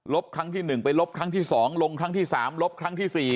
ลบครั้งที่หนึ่งไปลบครั้งที่สองลงครั้งที่สามลบครั้งที่สี่